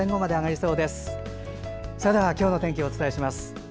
それでは、今日の天気をお伝えします。